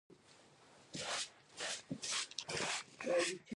ټول رعیت به په بیه پخه ډوډۍ اخلي.